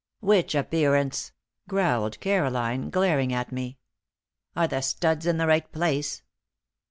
"Which appearance?" growled Caroline, glaring at me. "Are the studs in the right place?"